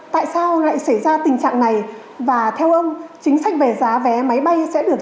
tại sao lại xảy ra tình trạng này và theo ông chính sách về giá vé máy bay sẽ được